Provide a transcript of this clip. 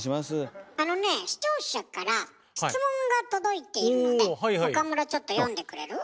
あのね視聴者から質問が届いているので岡村ちょっと読んでくれる？